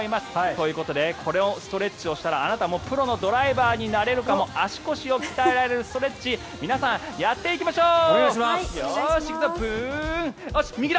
ということでこのストレッチをしたらあなたもプロのドライバーになれるかも足腰を鍛えられるストレッチ皆さん、やっていきましょう！